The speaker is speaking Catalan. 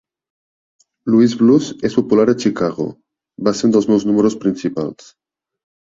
Louis Blues és popular a Chicago; va ser un dels meus números principals.